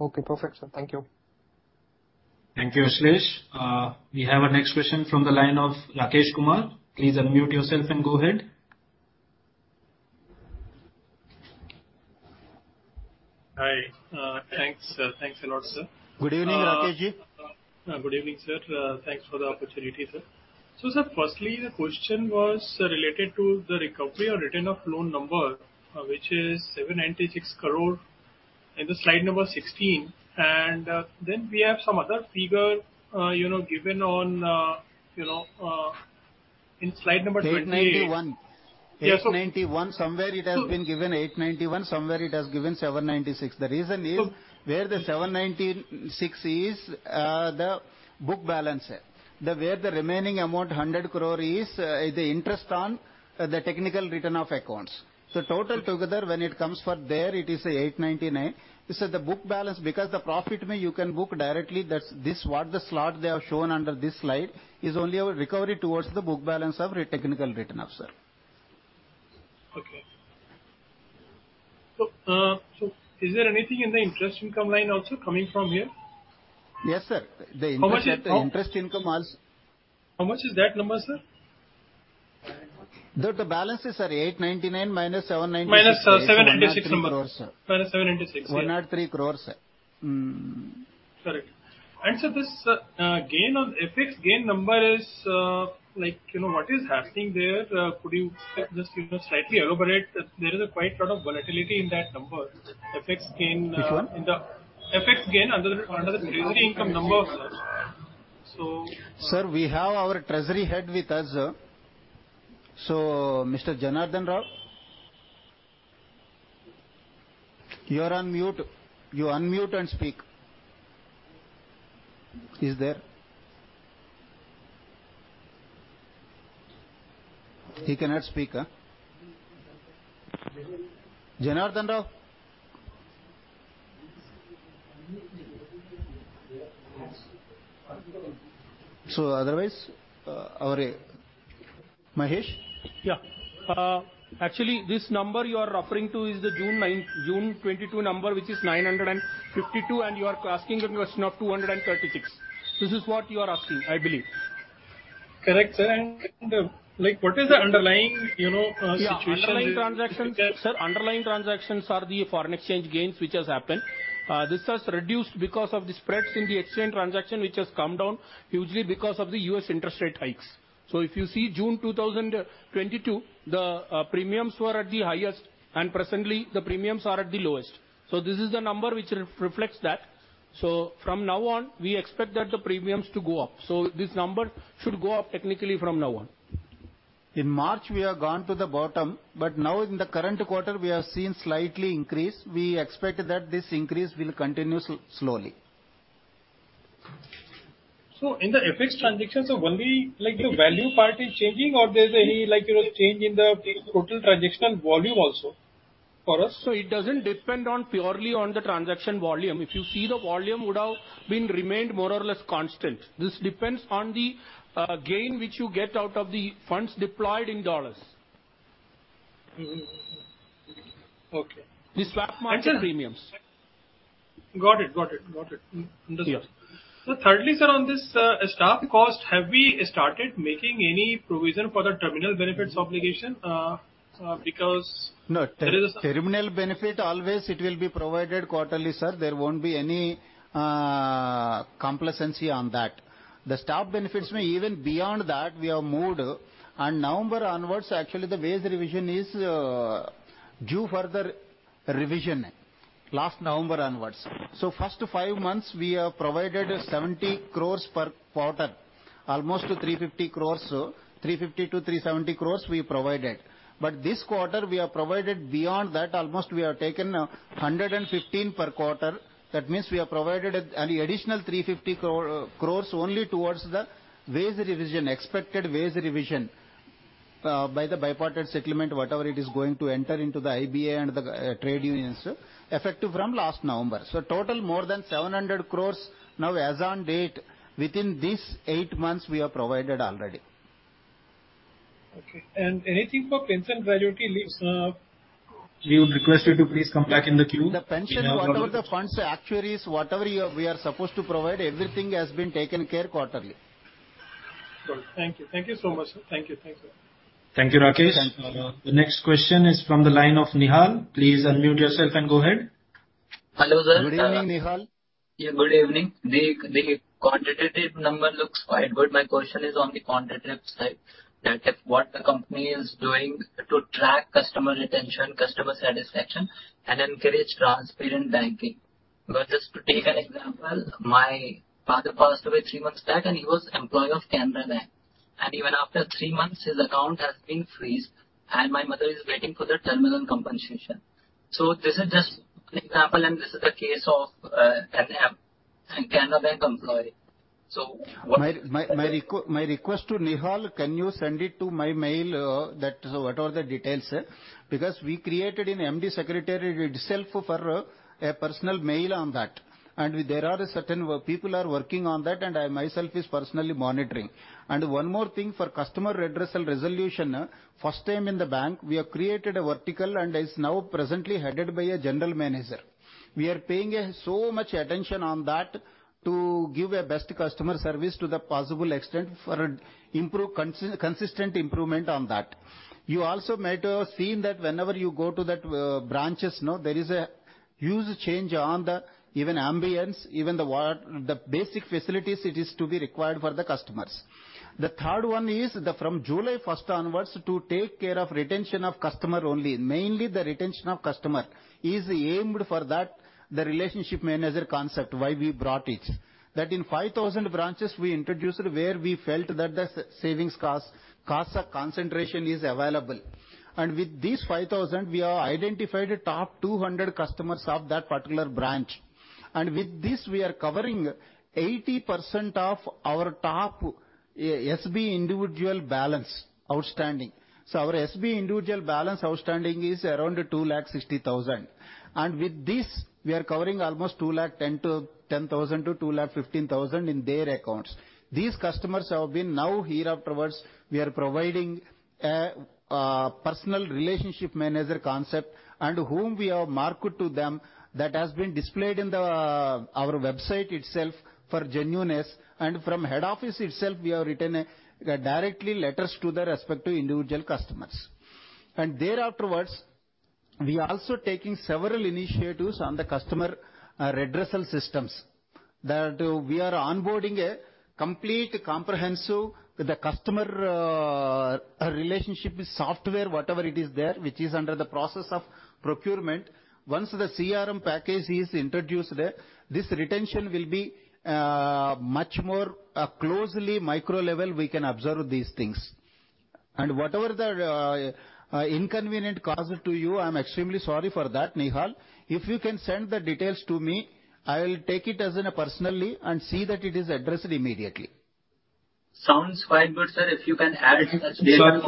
Okay, perfect, sir. Thank you. Thank you, Ashlesh. We have our next question from the line of Rakesh Kumar. Please unmute yourself and go ahead. Hi. Thanks. Thanks a lot, sir. Good evening, Rakesh Ji. Good evening, sir. Thanks for the opportunity, sir. Sir, firstly, the question was related to the recovery or return of loan number, which is 796 crore in slide number 16. Then we have some other figure, you know, given on, you know, in slide number 28. 891. Yes. 891. Somewhere it has been given 891, somewhere it has given 796. So- The reason is, where the 796 is the book balance. The, where the remaining amount, 100 crore, is the interest on the technical return of accounts. Total together, when it comes for there, it is 899. It's at the book balance, because the profit may you can book directly, that's this, what the slot they have shown under this slide is only a recovery towards the book balance of technical return of, sir. Okay. Is there anything in the interest income line also coming from here? Yes, sir. How much is? The interest income also. How much is that number, sir? The balance is, sir, 899 minus 796. Minus 796 number. INR 103 crores, sir. Minus INR 796. INR 103 crores, sir. Mm. Correct. This FX gain number is, like, you know, what is happening there? Could you just, you know, slightly elaborate? There is a quite lot of volatility in that number, FX gain. Which one? In the FX gain, under the, under the income numbers, sir. Sir, we have our Treasury Head with us. Mr. Janardhan Rao, you are on mute. You unmute and speak. He's there? He cannot speak, huh? Janardhan Rao. Otherwise, our Mahesh? Yeah. actually, this number you are referring to is the June 9, June 22 number, which is 952, and you are asking a question of 236. This is what you are asking, I believe. Correct, sir. Like, what is the underlying, you know, situation? Underlying transactions. Sir, underlying transactions are the foreign exchange gains, which has happened. This has reduced because of the spreads in the exchange transaction, which has come down hugely because of the U.S. interest rate hikes. If you see June 2022, the premiums were at the highest, and presently, the premiums are at the lowest. This is the number which reflects that. From now on, we expect that the premiums to go up. This number should go up technically from now on. In March, we have gone to the bottom. Now in the current quarter, we have seen slightly increase. We expect that this increase will continue slowly. In the FX transactions, so only, the value part is changing or there's any, change in the total transaction volume also for us? It doesn't depend on purely on the transaction volume. If you see, the volume would have been remained more or less constant. This depends on the gain, which you get out of the funds deployed in dollars. Mm-hmm. Okay. The swap market premiums. Got it. Got it. Understood. Yeah. Thirdly, sir, on this, staff cost, have we started making any provision for the terminal benefits obligation? No. There is- Terminal benefit, always it will be provided quarterly, sir. There won't be any complacency on that. The staff benefits may even beyond that, we have moved, and November onwards, actually, the wage revision is due for the revision, last November onwards. First five months, we have provided 70 crores per quarter, almost 350 crores. 350 crores-370 crores we provided. This quarter, we have provided beyond that. Almost we have taken 115 per quarter. That means we have provided an additional 350 crores only towards the wage revision, expected wage revision by the bipartite settlement, whatever it is going to enter into the IBA and the trade unions, effective from last November. Total more than 700 crore now as on date, within these 8 months, we have provided already. Okay. Anything for pension, gratuity leaves? We would request you to please come back in the queue. The pension, whatever the funds, actuaries, whatever we are supposed to provide, everything has been taken care quarterly. Good. Thank you. Thank you so much, sir. Thank you. Thank you. Thank you, Rakesh. Thank you. The next question is from the line of Nihal. Please unmute yourself and go ahead. Hello, sir. Good evening, Nihal. Yeah, good evening. The quantitative number looks quite good. My question is on the qualitative side, that if what the company is doing to track customer retention, customer satisfaction, and encourage transparent banking. Just to take an example, my father passed away 3 months back, and he was employee of Canara Bank. Even after 3 months, his account has been frozen, and my mother is waiting for the terminal compensation. This is just an example, and this is the case of an a Canara Bank employee. what- My request to Nihal, can you send it to my mail, that whatever the details, sir? We created an MD secretary itself for a personal mail on that, and there are certain people are working on that, and I myself is personally monitoring. One more thing, for customer redressal resolution, first time in the bank, we have created a vertical, and is now presently headed by a general manager. We are paying so much attention on that to give a best customer service to the possible extent for consistent improvement on that. You also might have seen that whenever you go to that, branches, no, there is a huge change on the even ambiance, even the basic facilities it is to be required for the customers. The third one is the from July 1st onwards, to take care of retention of customer only, mainly the retention of customer, is aimed for that, the relationship manager concept, why we brought it. In 5,000 branches we introduced, where we felt that the savings cost concentration is available. With these 5,000, we have identified top 200 customers of that particular branch. With this, we are covering 80% of our top SB individual balance outstanding. Our SB individual balance outstanding is around 2 lakh 60,000. With this, we are covering almost 2 lakh 10,000 to 2 lakh 15,000 in their accounts. These customers have been now, hereafterwards, we are providing a personal relationship manager concept, and whom we have marked to them, that has been displayed in the our website itself for genuineness. From head office itself, we have written directly letters to the respective individual customers. Afterwards, we are also taking several initiatives on the customer redressal systems, that we are onboarding a complete comprehensive the customer relationship software, whatever it is there, which is under the process of procurement. Once the CRM package is introduced there, this retention will be much more closely micro level, we can observe these things. Whatever the inconvenient caused to you, I'm extremely sorry for that, Nihal. If you can send the details to me, I will take it as in personally and see that it is addressed immediately. Sounds quite good, sir. If you can add that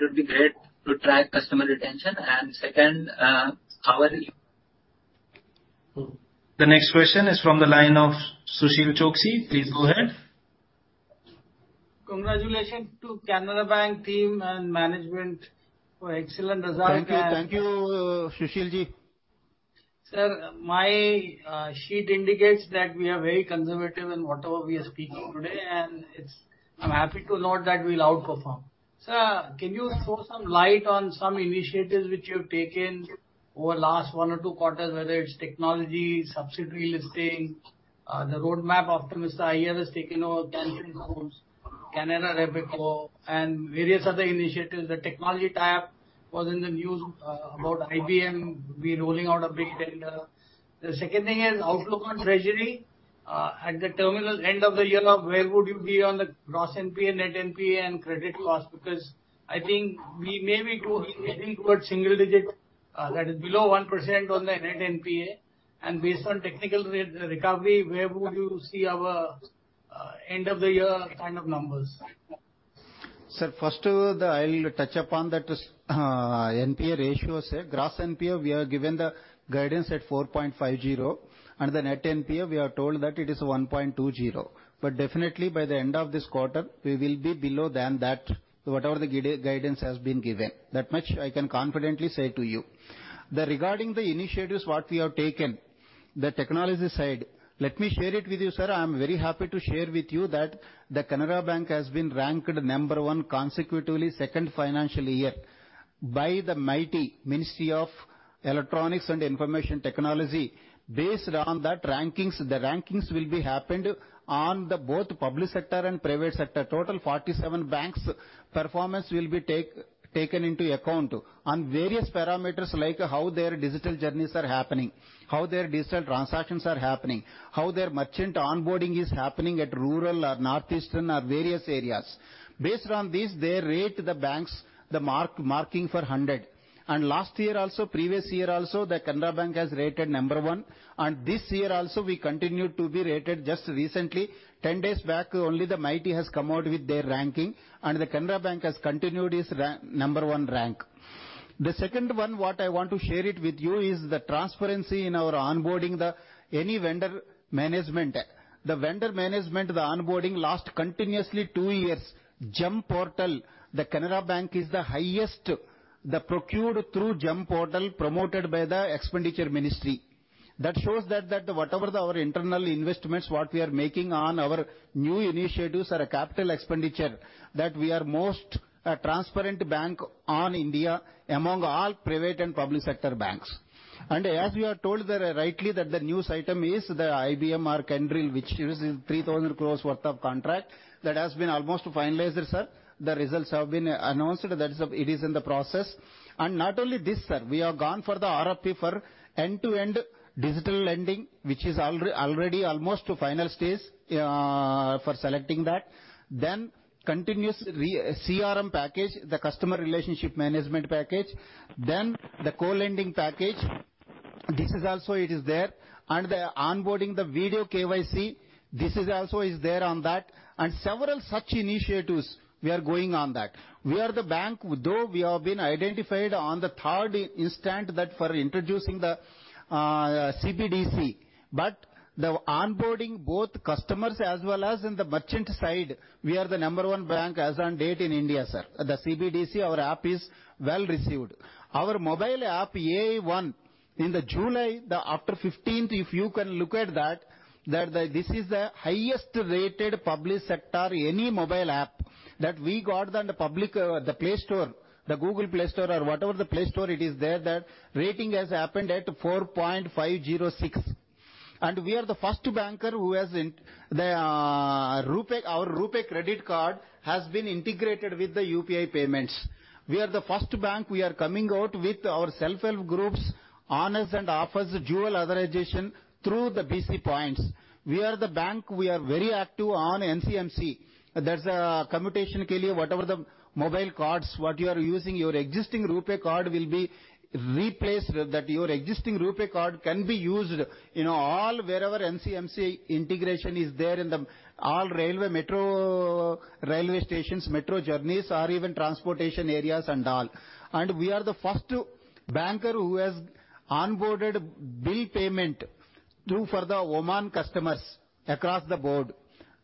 would be great to track customer retention. Second, The next question is from the line of Sushil Choksey. Please go ahead. Congratulations to Canara Bank team and management for excellent result. Thank you, thank you, Sushil Ji. Sir, my sheet indicates that we are very conservative in whatever we are speaking today, and it's I'm happy to note that we'll outperform. Sir, can you throw some light on some initiatives which you've taken over the last 1 or 2 quarters, whether it's technology, subsidiary listing, the roadmap after Mr. Iyer has taken over, Canara Robeco, and various other initiatives? The technology tab was in the news, about IBM, we're rolling out a big tender. The second thing is outlook on treasury. At the terminal end of the year, now, where would you be on the gross NPA, net NPA, and credit loss? Because I think we may be heading towards single digit, that is below 1% on the net NPA, and based on technical recovery, where would you see our end of the year kind of numbers? Sir, first, the I will touch upon that, NPA ratio, sir. Gross NPA, we have given the guidance at 4.50%, and the Net NPA, we have told that it is 1.20%. Definitely by the end of this quarter, we will be below than that, whatever the guidance has been given. That much I can confidently say to you. The regarding the initiatives, what we have taken, the technology side, let me share it with you, sir. I am very happy to share with you that the Canara Bank has been ranked number one consecutively, second financial year by the MeitY, Ministry of Electronics and Information Technology. Based on that rankings, the rankings will be happened on the both public sector and private sector. Total 47 banks' performance will be taken into account on various parameters, like how their digital journeys are happening, how their digital transactions are happening, how their merchant onboarding is happening at rural or northeastern or various areas. Based on this, they rate the banks, marking for 100, and last year also, previous year also, the Canara Bank has rated number one, and this year also, we continued to be rated just recently. 10 days back, only the MeitY has come out with their ranking, and the Canara Bank has continued its number one rank. The second one, what I want to share it with you, is the transparency in our onboarding any vendor management. The vendor management, the onboarding last continuously 2 years. GeM portal, the Canara Bank is the highest, procured through GeM portal promoted by the Expenditure Ministry. That shows that whatever the our internal investments, what we are making on our new initiatives or a capital expenditure, that we are most a transparent bank on India among all private and public sector banks. As you are told there, rightly, that the news item is the IBM or Kyndryl, which is 3,000 crore worth of contract. That has been almost finalized, sir. The results have been announced, that is, it is in the process. Not only this, sir, we have gone for the RFP for end-to-end digital lending, which is already almost to final stage for selecting that. Continuous CRM package, the customer relationship management package, the co-lending package, this is also it is there, the onboarding the video KYC, this is also is there on that, several such initiatives we are going on that. We are the bank, though we have been identified on the 3rd instant that for introducing the CBDC, but the onboarding both customers as well as in the merchant side, we are the number one bank as on date in India, sir. The CBDC, our app is well received. Our mobile app, Canara ai1, in the July, after 15th, if you can look at that this is the highest-rated public sector, any mobile app, that we got on the public the Play Store, the Google Play Store or whatever the Play Store it is there, that rating has happened at 4.506. We are the first banker who has in the RuPay, our RuPay credit card has been integrated with the UPI payments. We are the first bank, we are coming out with our self-help groups on us and offers dual authorization through the BC points. We are the bank, we are very active on NCMC. There's a commutation, whatever the mobile cards, what you are using, your existing RuPay card will be replaced, that your existing RuPay card can be used in all wherever NCMC integration is there in the all railway, metro... railway stations, metro journeys, or even transportation areas and all. We are the first banker who has onboarded bill payment-... do for the Oman customers across the board.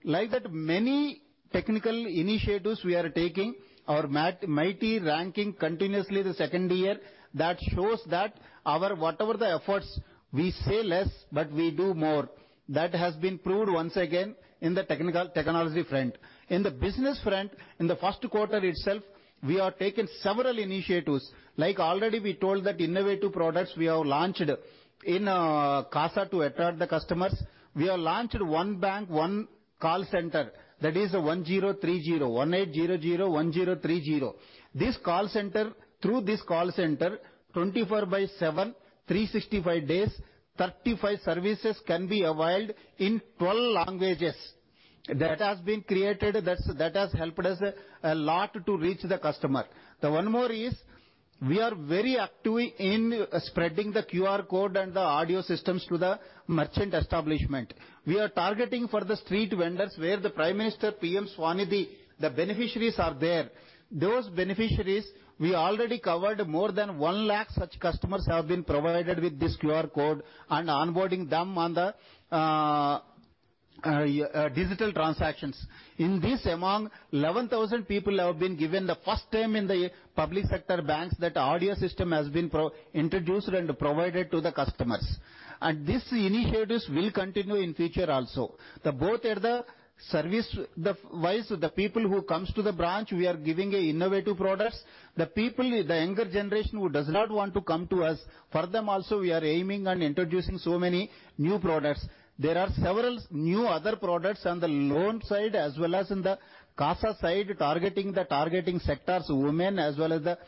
Like that, many technical initiatives we are taking, our mighty ranking continuously the second year, that shows that our whatever the efforts, we say less, but we do more. That has been proved once again in the technical, technology front. In the business front, in the first quarter itself, we are taking several initiatives. Like already we told that innovative products we have launched in CASA to attract the customers. We have launched one bank, one call center, that is 18001030. This call center, through this call center, 24/7, 365 days, 35 services can be availed in 12 languages. That has been created, that has helped us a lot to reach the customer. The one more is, we are very active in spreading the QR code and the audio systems to the merchant establishment. We are targeting for the street vendors, where the Prime Minister, PM SVANidhi, the beneficiaries are there. Those beneficiaries, we already covered more than 1 lakh such customers have been provided with this QR code. Onboarding them on the digital transactions. In this, among 11,000 people have been given the first time in the public sector banks, that audio system has been introduced and provided to the customers. These initiatives will continue in future also. The both are the service, the wise, the people who comes to the branch, we are giving a innovative products. The people, the younger generation, who does not want to come to us, for them also, we are aiming and introducing so many new products. There are several new other products on the loan side, as well as in the CASA side, targeting the sectors, women as well as the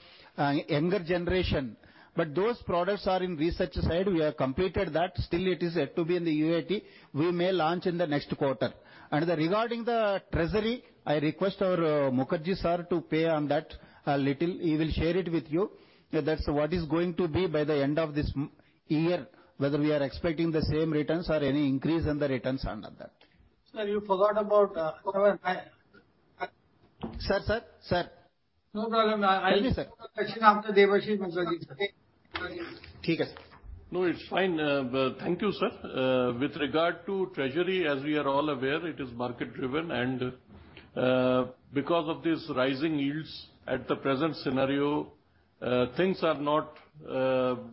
younger generation. Those products are in research side. We have completed that. Still it is yet to be in the UAT. We may launch in the next quarter. Regarding the treasury, I request our Mukherjee sir, to pay on that a little. He will share it with you. That's what is going to be by the end of this year, whether we are expecting the same returns or any increase in the returns on that. Sir, you forgot about, however. Sir, sir? Sir. No problem. Tell me, sir. After Debashish Mukherjee, okay. Take it. No, it's fine, but thank you, sir. With regard to treasury, as we are all aware, it is market driven, and because of these rising yields at the present scenario, things are not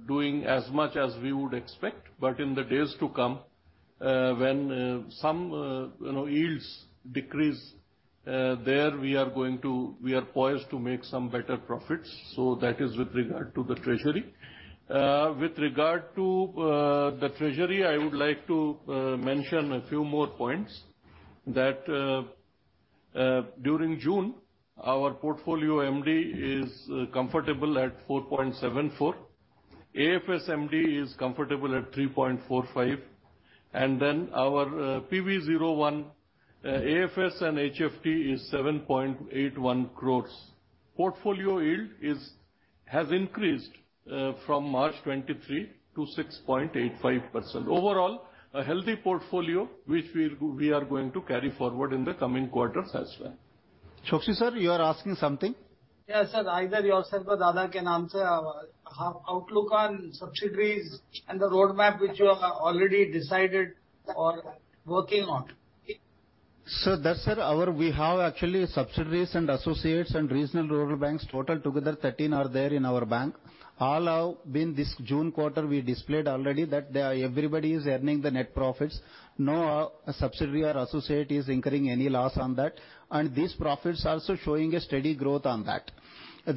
doing as much as we would expect. In the days to come, when some, you know, yields decrease, there, we are poised to make some better profits. That is with regard to the treasury. With regard to the treasury, I would like to mention a few more points that during June, our portfolio MD is comfortable at 4.74. AFS MD is comfortable at 3.45, and then our PV01, AFS and HFT is 7.81 crores. Portfolio yield has increased from March 23 to 6.85%. Overall, a healthy portfolio, which we are going to carry forward in the coming quarters as well. Choksey sir, you are asking something? Yes, sir. Either yourself or Dada can answer. Outlook on subsidiaries and the roadmap which you have already decided or working on? We have actually subsidiaries and associates and regional rural banks, total together, 13 are there in our bank. All have been this June quarter, we displayed already that they are, everybody is earning the net profits. No subsidiary or associate is incurring any loss on that, these profits are also showing a steady growth on that.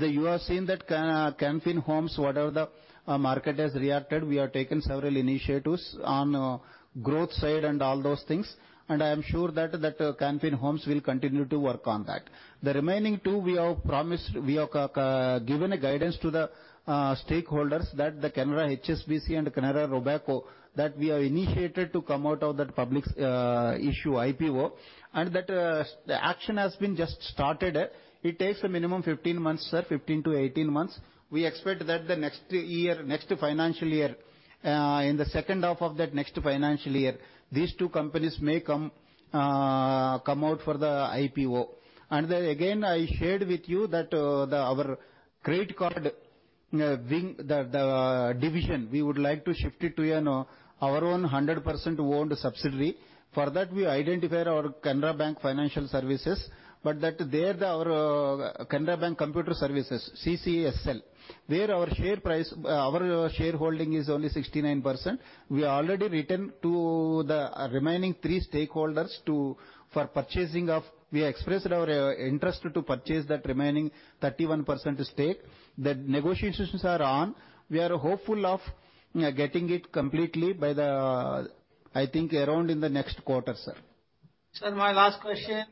You have seen that, Canfin Homes, whatever the market has reacted, we have taken several initiatives on growth side and all those things, and I am sure that Canfin Homes will continue to work on that. The remaining two, we have promised, we have given a guidance to the stakeholders that the Canara HSBC Life Insurance and Canara Robeco, that we have initiated to come out of that public issue, IPO, and that the action has been just started. It takes a minimum 15 months, sir, 15-18 months. We expect that the next year, next financial year, in the H2 of that next financial year, these two companies may come out for the IPO. I shared with you that our credit card, being the division, we would like to shift it to our own 100% owned subsidiary. For that, we identify our Canara Bank Financial Services, but Canbank Computer Services, CCSL, where our shareholding is only 69%. We already written to the remaining 3 stakeholders. We expressed our interest to purchase that remaining 31% stake. The negotiations are on. We are hopeful of getting it completely by the, I think around in the next quarter, sir. Sir, my last question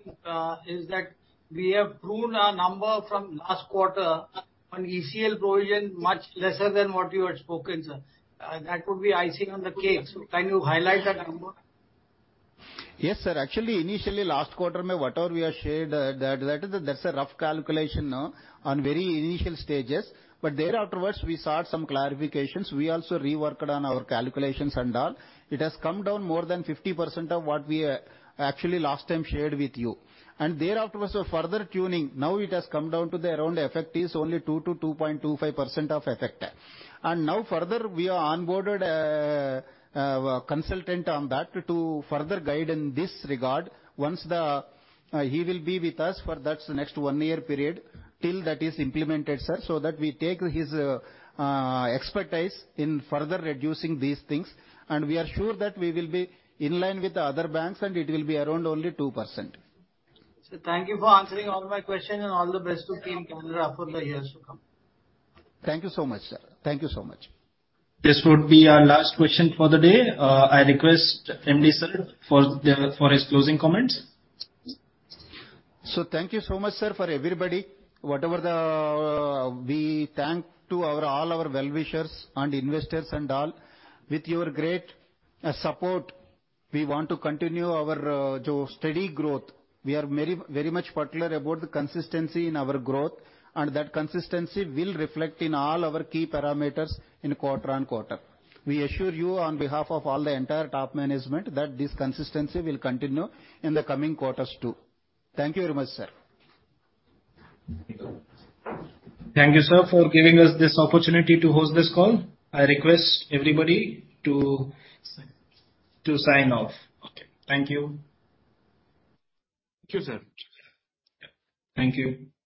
is that we have pruned our number from last quarter on ECL provision much lesser than what you had spoken, sir. That would be icing on the cake. Can you highlight that number? Yes, sir. Actually, initially, last quarter, whatever we have shared, that's a rough calculation on very initial stages. There afterwards, we sought some clarifications. We also reworked on our calculations and all. It has come down more than 50% of what we actually last time shared with you. There afterwards, a further tuning. Now it has come down to the around effect is only 2% to 2.25% of effect. Now further, we have onboarded a consultant on that to further guide in this regard. Once the... He will be with us for that next one-year period, till that is implemented, sir, so that we take his expertise in further reducing these things, and we are sure that we will be in line with the other banks, and it will be around only 2%. Sir, thank you for answering all my questions, and all the best to Team Canara for the years to come. Thank you so much, sir. Thank you so much. This would be our last question for the day. I request MD sir for his closing comments. Thank you so much, sir, for everybody. Whatever the... We thank to our, all our well-wishers and investors and all. With your great support, we want to continue our steady growth. We are very, very much particular about the consistency in our growth, and that consistency will reflect in all our key parameters in quarter-on-quarter. We assure you on behalf of all the entire top management, that this consistency will continue in the coming quarters, too. Thank you very much, sir. Thank you, sir, for giving us this opportunity to host this call. I request everybody. Sign. -to sign off. Okay. Thank you. Thank you, sir. Yep. Thank you.